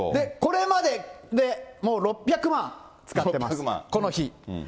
これまででもう６００万使ってます、この日。